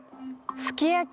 すき焼き！